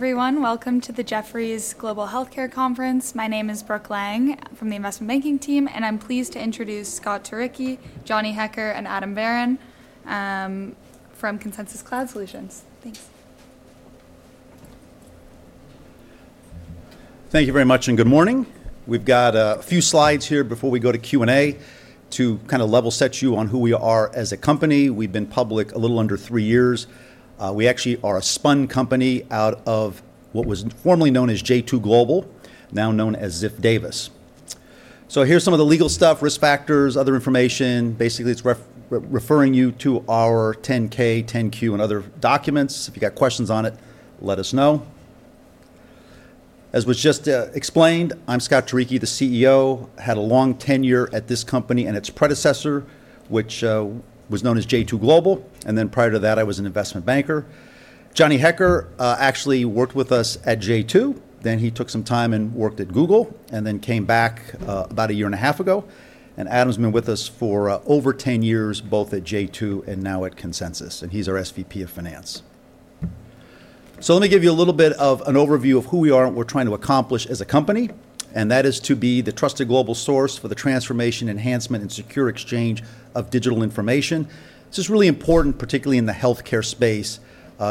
Everyone, welcome to the Jefferies Global Healthcare Conference. My name is Brooke Liang from the investment banking team, and I'm pleased to introduce Scott Turicchi, Johnny Hecker, and Adam Varon from Consensus Cloud Solutions. Thanks. Thank you very much, and good morning. We've got a few slides here before we go to Q&A to kind of level set you on who we are as a company. We've been public a little under three years. We actually are a spun company out of what was formerly known as J2 Global, now known as Ziff Davis. So here's some of the legal stuff, risk factors, other information. Basically, it's referring you to our 10-K, 10-Q, and other documents. If you've got questions on it, let us know. As was just explained, I'm Scott Turicchi, the CEO. Had a long tenure at this company and its predecessor, which was known as J2 Global, and then prior to that, I was an investment banker. Johnny Hecker actually worked with us at J2, then he took some time and worked at Google and then came back about a year and a half ago, and Adam's been with us for over 10 years, both at J2 and now at Consensus, and he's our SVP of Finance. So let me give you a little bit of an overview of who we are and what we're trying to accomplish as a company, and that is to be the trusted global source for the transformation, enhancement, and secure exchange of digital information. This is really important, particularly in the healthcare space.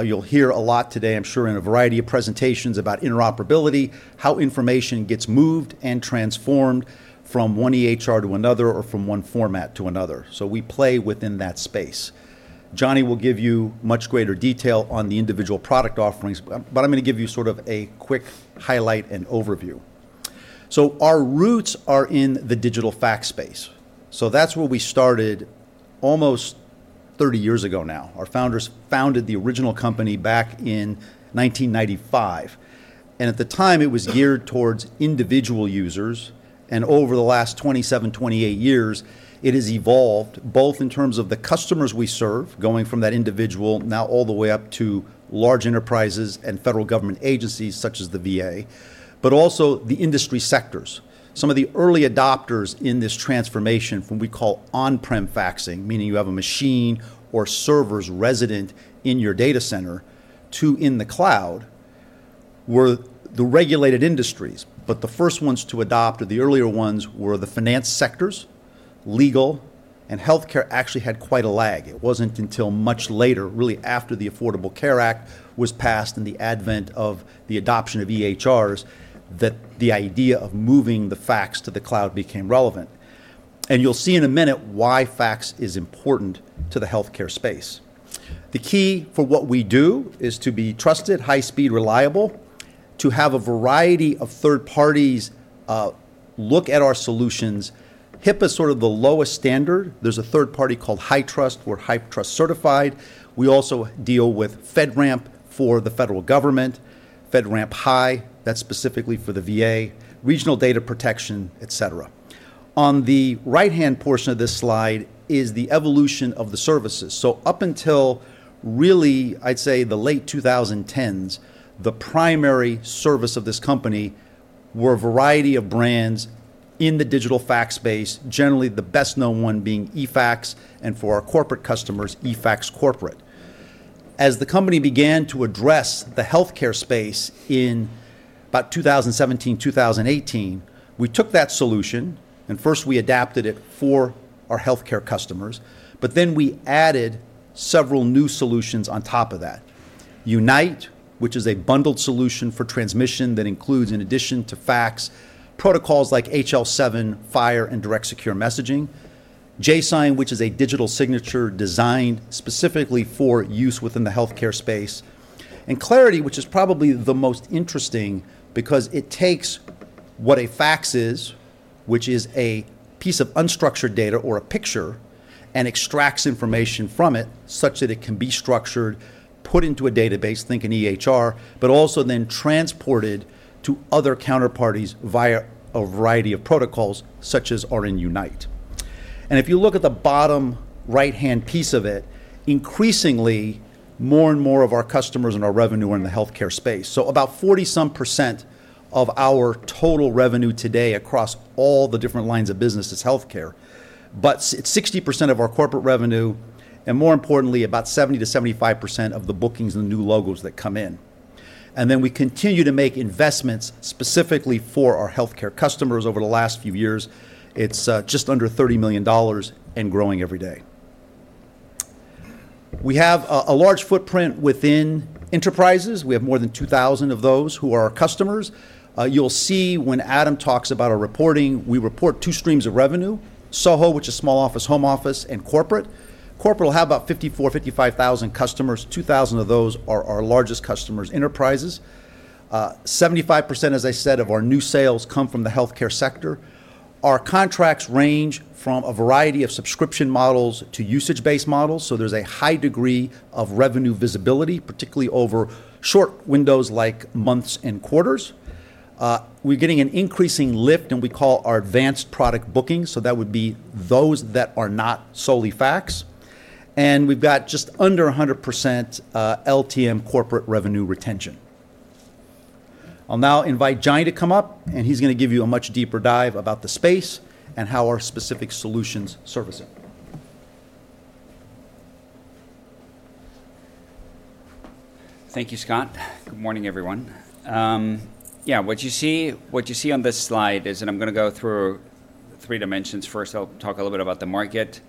You'll hear a lot today, I'm sure, in a variety of presentations about interoperability, how information gets moved and transformed from one EHR to another or from one format to another, so we play within that space. Johnny will give you much greater detail on the individual product offerings, but I'm gonna give you sort of a quick highlight and overview. So our roots are in the digital fax space, so that's where we started almost 30 years ago now. Our founders founded the original company back in 1995, and at the time, it was geared towards individual users. And over the last 27-28 years, it has evolved both in terms of the customers we serve, going from that individual now all the way up to large enterprises and federal government agencies such as the VA, but also the industry sectors. Some of the early adopters in this transformation from what we call on-prem faxing, meaning you have a machine or servers resident in your data center, to in the cloud, were the regulated industries. But the first ones to adopt, or the earlier ones, were the finance sectors. Legal and healthcare actually had quite a lag. It wasn't until much later, really after the Affordable Care Act was passed and the advent of the adoption of EHRs, that the idea of moving the fax to the cloud became relevant, and you'll see in a minute why fax is important to the healthcare space. The key for what we do is to be trusted, high speed, reliable, to have a variety of third parties, look at our solutions. HIPAA's sort of the lowest standard. There's a third party called HITRUST. We're HITRUST certified. We also deal with FedRAMP for the federal government. FedRAMP High, that's specifically for the VA, regional data protection, et cetera. On the right-hand portion of this slide is the evolution of the services. So up until really I'd say the late 2010s, the primary service of this company were a variety of brands in the digital fax space, generally the best-known one being eFax and, for our corporate customers, eFax Corporate. As the company began to address the healthcare space in about 2017, 2018, we took that solution, and first we adapted it for our healthcare customers, but then we added several new solutions on top of that: Unite, which is a bundled solution for transmission that includes, in addition to fax, protocols like HL7, FHIR, and Direct Secure Messaging, jSign, which is a digital signature designed specifically for use within the healthcare space, and Clarity, which is probably the most interesting because it takes what a fax is, which is a piece of unstructured data or a picture, and extracts information from it such that it can be structured, put into a database, think an EHR, but also then transported to other counterparties via a variety of protocols, such as are in Unite. If you look at the bottom right-hand piece of it, increasingly, more and more of our customers and our revenue are in the healthcare space. So about 40-some% of our total revenue today across all the different lines of business is healthcare, but sixty percent of our corporate revenue and, more importantly, about 70%-75% of the bookings and the new logos that come in. And then we continue to make investments specifically for our healthcare customers over the last few years. It's just under $30 million and growing every day. We have a large footprint within enterprises. We have more than 2,000 of those who are our customers. You'll see when Adam talks about our reporting, we report two streams of revenue: SOHO, which is small office/home office, and corporate. Corporate will have about 54,000-55,000 customers. 2,000 of those are our largest customers, enterprises. 75%, as I said, of our new sales come from the healthcare sector. Our contracts range from a variety of subscription models to usage-based models, so there's a high degree of revenue visibility, particularly over short windows like months and quarters. We're getting an increasing lift in what we call our advanced product bookings, so that would be those that are not solely fax. We've got just under 100% LTM corporate revenue retention. I'll now invite Johnny to come up, and he's gonna give you a much deeper dive about the space and how our specific solutions service it.... Thank you, Scott. Good morning, everyone. Yeah, what you see on this slide is, and I'm gonna go through three dimensions. First, I'll talk a little bit about the market.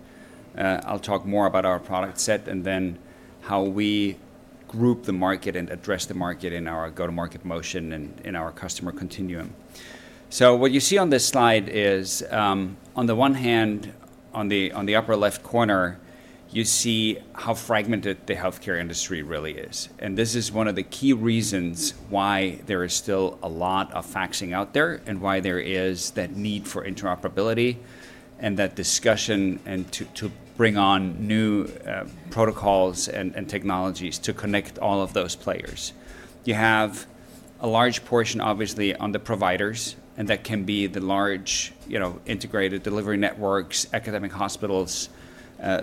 I'll talk more about our product set, and then how we group the market and address the market in our go-to-market motion and in our customer continuum. So what you see on this slide is, on the one hand, on the upper left corner, you see how fragmented the healthcare industry really is, and this is one of the key reasons why there is still a lot of faxing out there, and why there is that need for interoperability, and that discussion, and to bring on new protocols and technologies to connect all of those players. You have a large portion, obviously, on the providers, and that can be the large, you know, integrated delivery networks, academic hospitals,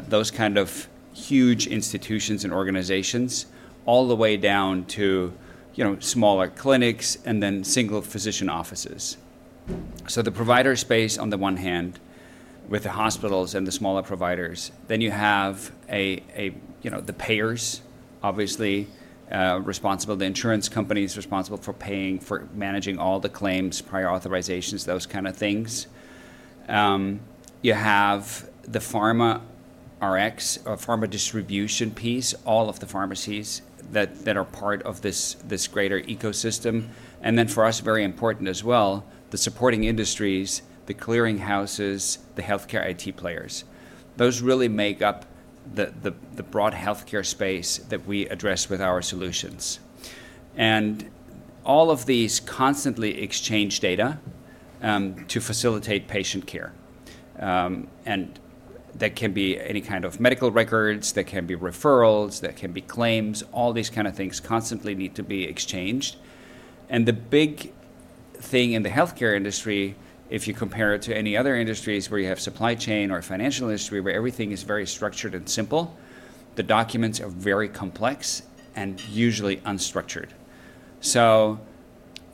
those kind of huge institutions and organizations, all the way down to, you know, smaller clinics and then single physician offices. So the provider space, on the one hand, with the hospitals and the smaller providers, then you have a, you know, the payers, obviously, responsible, the insurance companies responsible for paying, for managing all the claims, prior authorizations, those kind of things. You have the pharma Rx or pharma distribution piece, all of the pharmacies that are part of this greater ecosystem. And then for us, very important as well, the supporting industries, the clearinghouses, the healthcare IT players. Those really make up the broad healthcare space that we address with our solutions. All of these constantly exchange data to facilitate patient care. That can be any kind of medical records, that can be referrals, that can be claims. All these kind of things constantly need to be exchanged. The big thing in the healthcare industry, if you compare it to any other industries where you have supply chain or financial industry, where everything is very structured and simple, the documents are very complex and usually unstructured. So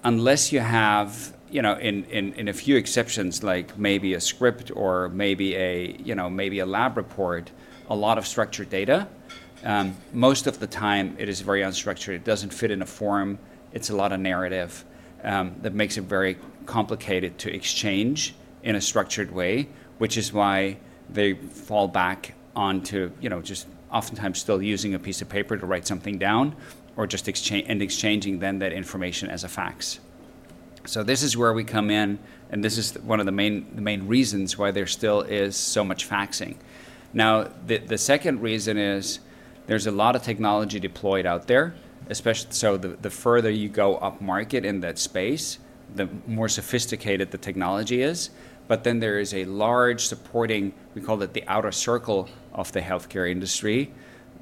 unless you have, you know, in a few exceptions, like maybe a script or maybe, you know, maybe a lab report, a lot of structured data, most of the time it is very unstructured. It doesn't fit in a form. It's a lot of narrative that makes it very complicated to exchange in a structured way, which is why they fall back onto, you know, just oftentimes still using a piece of paper to write something down or just exchanging then that information as a fax. So this is where we come in, and this is one of the main, the main reasons why there still is so much faxing. Now, the second reason is, there's a lot of technology deployed out there, especially. So the further you go upmarket in that space, the more sophisticated the technology is. But then there is a large supporting, we call it the outer circle of the healthcare industry,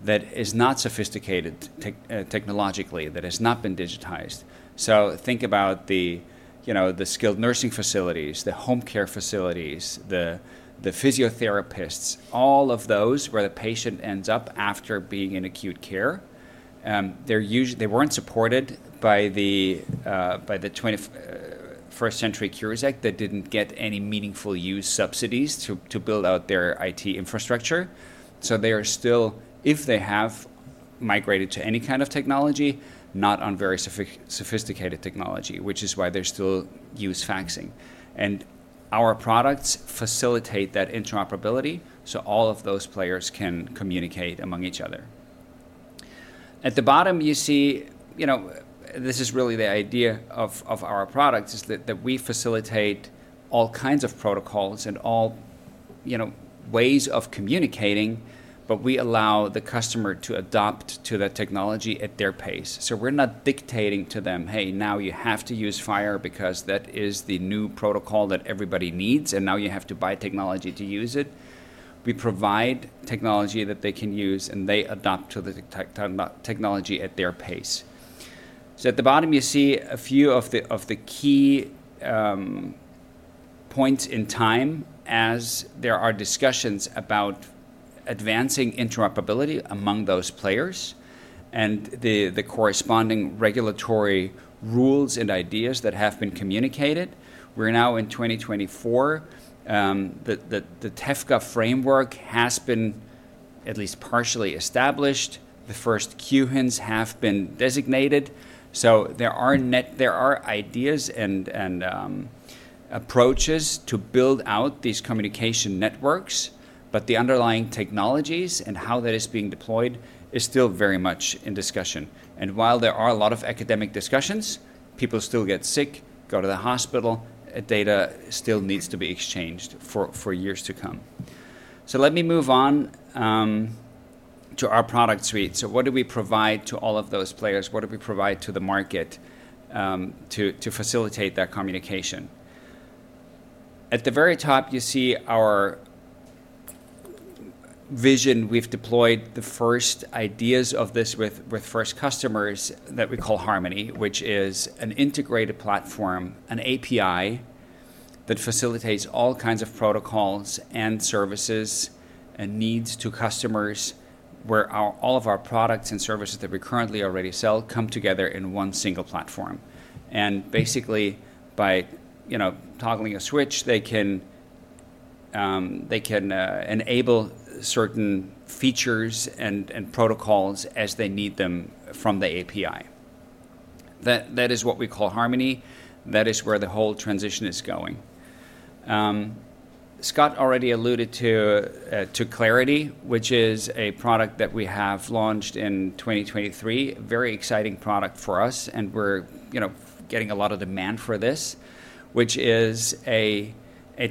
that is not sophisticated tech, technologically, that has not been digitized. So think about the, you know, the skilled nursing facilities, the home care facilities, the physical therapists, all of those where the patient ends up after being in acute care. They weren't supported by the 21st Century Cures Act, that didn't get any Meaningful Use subsidies to build out their IT infrastructure. So they are still, if they have migrated to any kind of technology, not on very sophisticated technology, which is why they still use faxing. And our products facilitate that interoperability, so all of those players can communicate among each other. At the bottom, you see. You know, this is really the idea of our product, is that we facilitate all kinds of protocols and all, you know, ways of communicating, but we allow the customer to adapt to that technology at their pace. So we're not dictating to them, "Hey, now you have to use FHIR because that is the new protocol that everybody needs, and now you have to buy technology to use it." We provide technology that they can use, and they adopt to the technology at their pace. So at the bottom, you see a few of the key points in time as there are discussions about advancing interoperability among those players and the corresponding regulatory rules and ideas that have been communicated. We're now in 2024, the TEFCA framework has been at least partially established. The first QHINs have been designated, so there are ideas and approaches to build out these communication networks, but the underlying technologies and how that is being deployed is still very much in discussion. While there are a lot of academic discussions, people still get sick, go to the hospital, data still needs to be exchanged for years to come. So let me move on to our product suite. So what do we provide to all of those players? What do we provide to the market to facilitate that communication? At the very top, you see our vision. We've deployed the first ideas of this with first customers that we call Harmony, which is an integrated platform, an API, that facilitates all kinds of protocols and services and needs to customers, where all of our products and services that we currently already sell come together in one single platform. And basically, by, you know, toggling a switch, they can enable certain features and protocols as they need them from the API. That, that is what we call Harmony. That is where the whole transition is going. Scott already alluded to Clarity, which is a product that we have launched in 2023, a very exciting product for us, and we're, you know, getting a lot of demand for this, which is a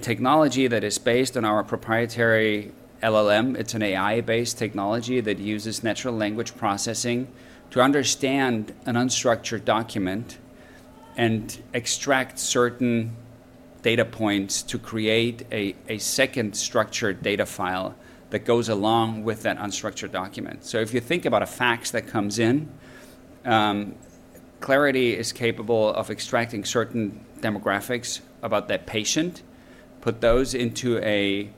technology that is based on our proprietary LLM. It's an AI-based technology that uses natural language processing to understand an unstructured document and extract certain data points to create a second structured data file that goes along with that unstructured document. So if you think about a fax that comes in, Clarity is capable of extracting certain demographics about that patient, put those into a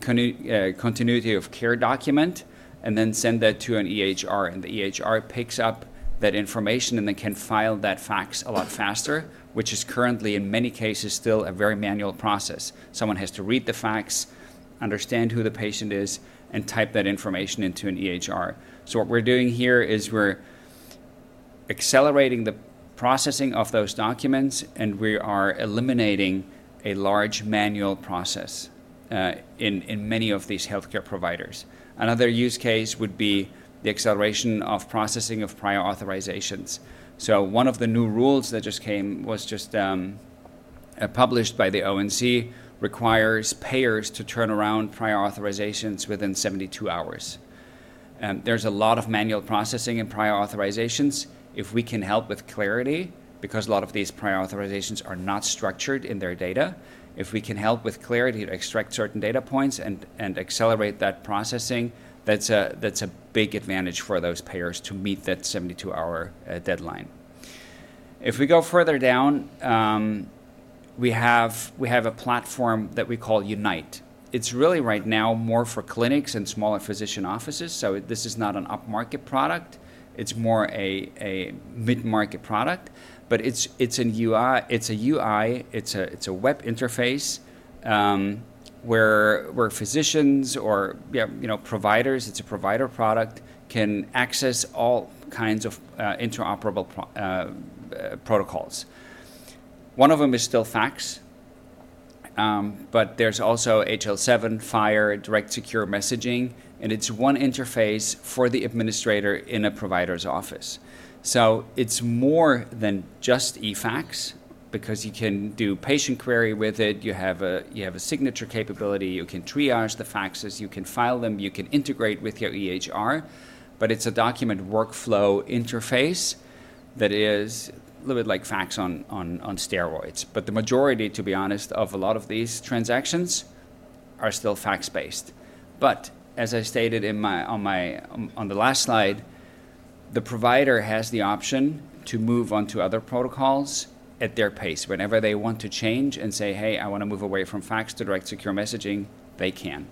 Continuity of Care Document, and then send that to an EHR, and the EHR picks up that information and then can file that fax a lot faster, which is currently, in many cases, still a very manual process. Someone has to read the fax, understand who the patient is, and type that information into an EHR. So what we're doing here is we're accelerating the processing of those documents, and we are eliminating a large manual process in many of these healthcare providers. Another use case would be the acceleration of processing of prior authorizations. So one of the new rules that just came was just published by the ONC requires payers to turn around prior authorizations within 72 hours. There's a lot of manual processing in prior authorizations. If we can help with Clarity, because a lot of these prior authorizations are not structured in their data, if we can help with Clarity to extract certain data points and accelerate that processing, that's a big advantage for those payers to meet that 72-hour deadline. If we go further down, we have a platform that we call Unite. It's really, right now, more for clinics and smaller physician offices, so this is not an upmarket product. It's more a mid-market product, but it's a UI, it's a web interface, where physicians or, yeah, you know, providers, it's a provider product, can access all kinds of interoperable protocols. One of them is still fax, but there's also HL7, FHIR, Direct Secure Messaging, and it's one interface for the administrator in a provider's office. So it's more than just eFax because you can do patient query with it. You have a signature capability. You can triage the faxes. You can file them. You can integrate with your EHR, but it's a document workflow interface that is a little bit like fax on steroids. But the majority, to be honest, of a lot of these transactions are still fax-based. But as I stated in my... On the last slide, the provider has the option to move on to other protocols at their pace. Whenever they want to change and say, "Hey, I wanna move away from fax to Direct Secure Messaging," they can.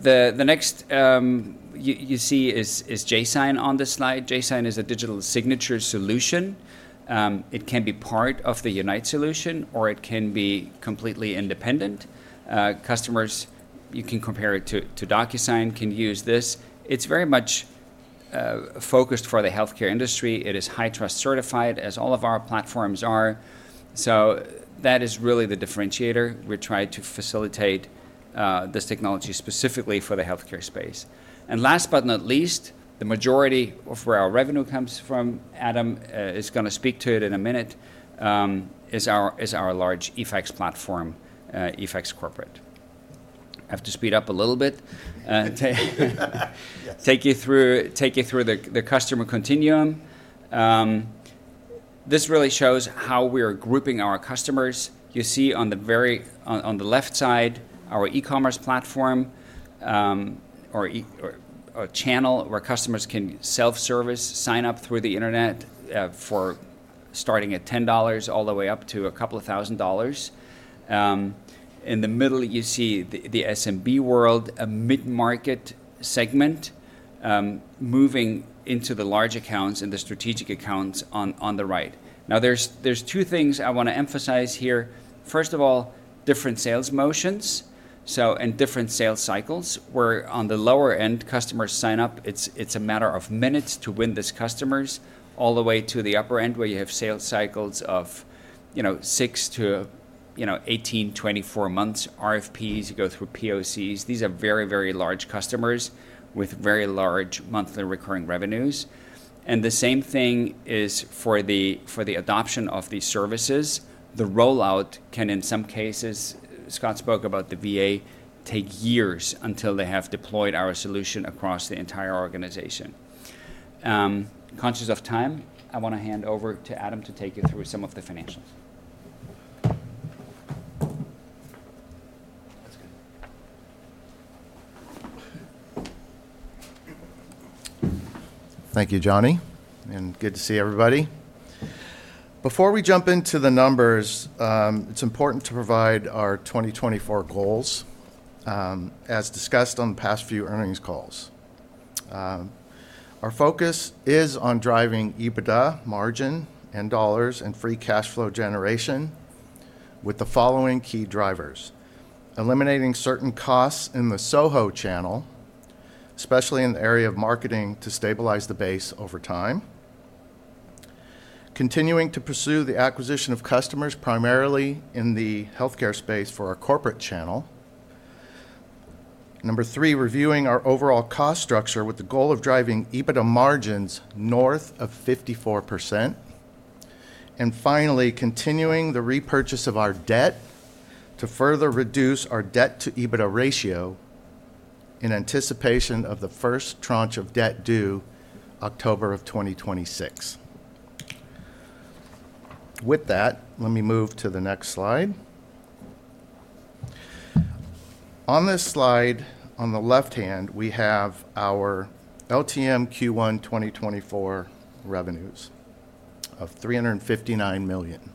The next you see is jSign on this slide. jSign is a digital signature solution. It can be part of the Unite solution, or it can be completely independent. Customers, you can compare it to DocuSign, can use this. It's very much focused for the healthcare industry. It is HITRUST certified, as all of our platforms are. So that is really the differentiator. We try to facilitate this technology specifically for the healthcare space. And last but not least, the majority of where our revenue comes from, Adam, is gonna speak to it in a minute, is our large eFax platform, eFax Corporate. I have to speed up a little bit. Yes. Take you through the customer continuum. This really shows how we are grouping our customers. You see on the very left side, our e-commerce platform, or channel, where customers can self-service, sign up through the internet, for starting at $10 all the way up to a couple of thousand dollars. In the middle, you see the SMB world, a mid-market segment, moving into the large accounts and the strategic accounts on the right. Now, there's two things I wanna emphasize here. First of all, different sales motions, so, and different sales cycles, where on the lower end, customers sign up, it's a matter of minutes to win these customers, all the way to the upper end, where you have sales cycles of, you know, 6 to, you know, 18, 24 months, RFPs, you go through POCs. These are very, very large customers with very large monthly recurring revenues. And the same thing is for the, for the adoption of these services. The rollout can, in some cases, Scott spoke about the VA, take years until they have deployed our solution across the entire organization. Conscious of time, I wanna hand over to Adam to take you through some of the financials. That's good. Thank you, Johnny, and good to see everybody. Before we jump into the numbers, it's important to provide our 2024 goals, as discussed on the past few earnings calls. Our focus is on driving EBITDA margin and dollars and free cash flow generation, with the following key drivers: eliminating certain costs in the SOHO channel, especially in the area of marketing, to stabilize the base over time. Continuing to pursue the acquisition of customers, primarily in the healthcare space, for our corporate channel. Number three, reviewing our overall cost structure with the goal of driving EBITDA margins north of 54%. And finally, continuing the repurchase of our debt to further reduce our debt to EBITDA ratio in anticipation of the first tranche of debt due October of 2026. With that, let me move to the next slide. On this slide, on the left hand, we have our LTM Q1 2024 revenues of $359 million.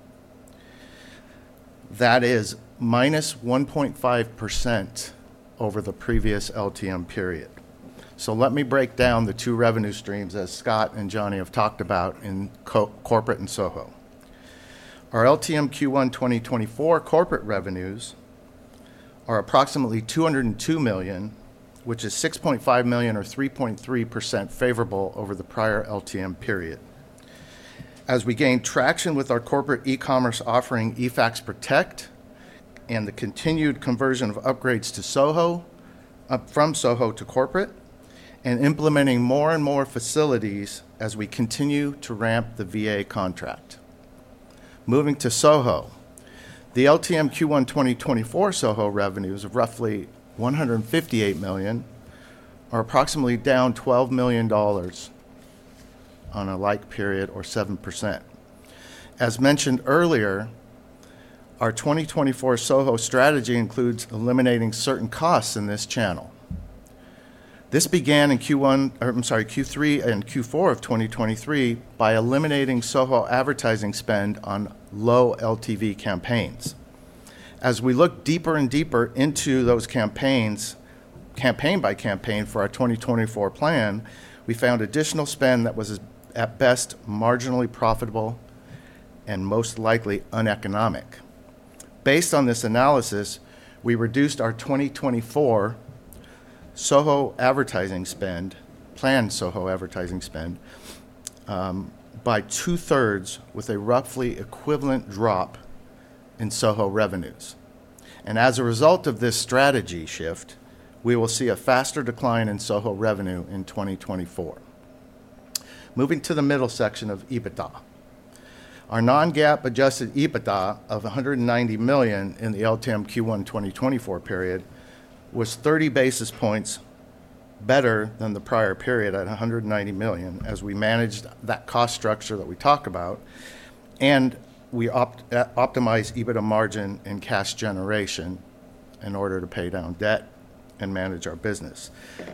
That is -1.5% over the previous LTM period. So let me break down the two revenue streams, as Scott and Johnny have talked about in corporate and SOHO. Our LTM Q1 2024 corporate revenues are approximately $202 million, which is $6.5 million, or 3.3% favorable over the prior LTM period. As we gain traction with our corporate e-commerce offering, eFax Protect, and the continued conversion of upgrades to SOHO, from SOHO to corporate, and implementing more and more facilities as we continue to ramp the VA contract. Moving to SOHO, the LTM Q1 2024 SOHO revenues of roughly $158 million are approximately down $12 million on a like period, or 7%. As mentioned earlier, our 2024 SOHO strategy includes eliminating certain costs in this channel. This began in Q1, or I'm sorry, Q3 and Q4 of 2023, by eliminating SOHO advertising spend on low LTV campaigns. As we look deeper and deeper into those campaigns, campaign by campaign, for our 2024 plan, we found additional spend that was at, at best, marginally profitable and most likely uneconomic. Based on this analysis, we reduced our 2024 SOHO advertising spend, planned SOHO advertising spend by two-thirds, with a roughly equivalent drop in SOHO revenues. As a result of this strategy shift, we will see a faster decline in SOHO revenue in 2024. Moving to the middle section of EBITDA. Our non-GAAP adjusted EBITDA of $190 million in the LTM Q1 2024 period was 30 basis points better than the prior period at $190 million, as we managed that cost structure that we talked about, and we optimized EBITDA margin and cash generation in order to pay down debt and manage our business.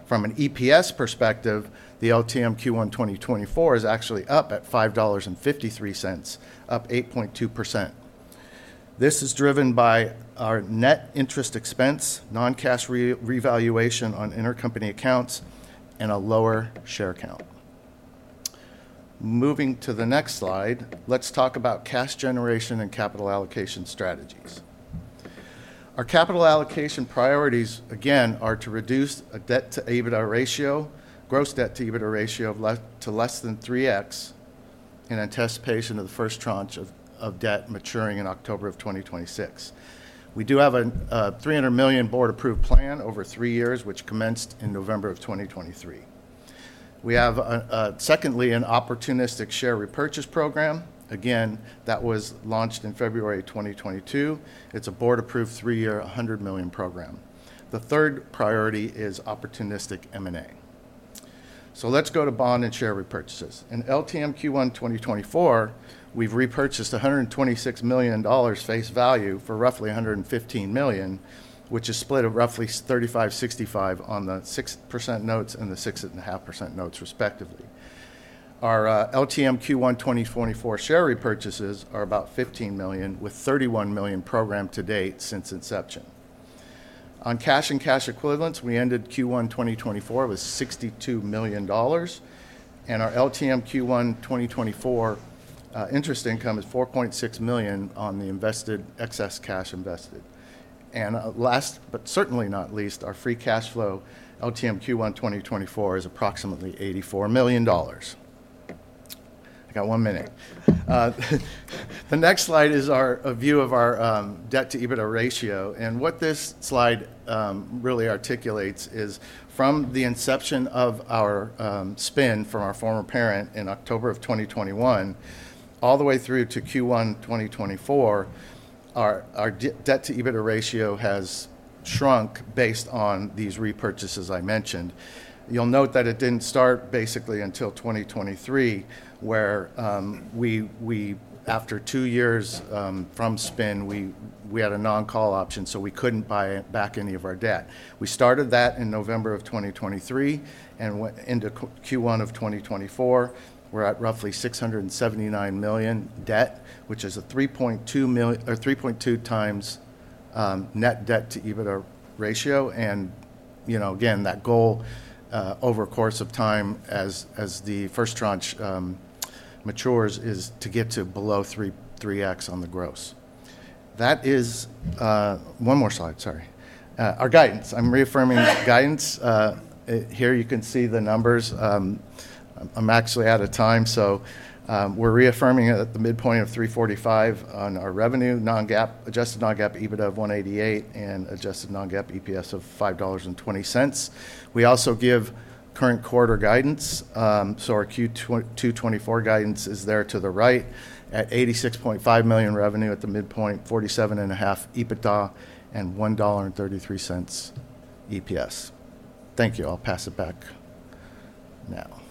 From an EPS perspective, the LTM Q1 2024 is actually up at $5.53, up 8.2%. This is driven by our net interest expense, non-cash revaluation on intercompany accounts, and a lower share count. Moving to the next slide, let's talk about cash generation and capital allocation strategies. Our capital allocation priorities, again, are to reduce a debt to EBITDA ratio, gross debt to EBITDA ratio of less than 3x, in anticipation of the first tranche of debt maturing in October of 2026. We do have a $300 million board-approved plan over three years, which commenced in November of 2023. We have secondly, an opportunistic share repurchase program. Again, that was launched in February 2022. It's a board-approved, three-year, $100 million program. The third priority is opportunistic M&A. So let's go to bond and share repurchases. In LTM Q1 2024, we've repurchased $126 million face value for roughly $115 million, which is split at roughly 35, 65 on the 6% notes and the 6.5% notes, respectively. Our LTM Q1 2024 share repurchases are about $15 million, with $31 million programmed to date since inception. On cash and cash equivalents, we ended Q1 2024 with $62 million, and our LTM Q1 2024 interest income is $4.6 million on the invested excess cash invested. And last, but certainly not least, our free cash flow, LTM Q1 2024, is approximately $84 million. I got 1 minute. The next slide is our a view of our debt to EBITDA ratio, and what this slide really articulates is, from the inception of our spin from our former parent in October 2021, all the way through to Q1 2024, our debt to EBITDA ratio has shrunk based on these repurchases I mentioned. You'll note that it didn't start basically until 2023, where, we, we, after 2 years, from spin, we, we had a non-call option, so we couldn't buy back any of our debt. We started that in November of 2023, and went into Q1 of 2024. We're at roughly $679 million debt, which is a 3.2 times net debt to EBITDA ratio. And, you know, again, that goal, over a course of time, as, as the first tranche, matures, is to get to below 3x on the gross. That is... One more slide, sorry. Our guidance. I'm reaffirming guidance. Here you can see the numbers. I'm actually out of time, so, we're reaffirming it at the midpoint of $345 on our revenue non-GAAP, adjusted non-GAAP EBITDA of $188, and adjusted non-GAAP EPS of $5.20. We also give current quarter guidance, so our Q2 2024 guidance is there to the right, at $86.5 million revenue at the midpoint, $47.5 EBITDA, and $1.33 EPS. Thank you. I'll pass it back now. I guess they don't have any questions.